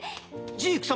ジーク様！